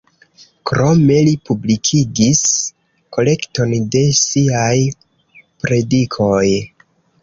Krome li publikigis kolekton de siaj predikoj.